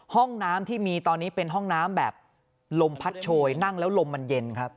ห้องน้ำที่มีตอนนี้เป็นห้องน้ำแบบลมพัดโชยนั่งแล้วลมมันเย็นครับ